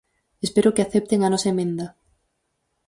Espero que acepten a nosa emenda.